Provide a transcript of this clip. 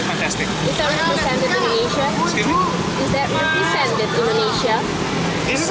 apakah ini terpaksa di indonesia